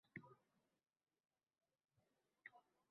Kredit stavkalari: